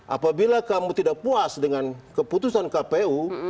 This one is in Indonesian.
apabila kamu tidak puas dengan keputusan kpu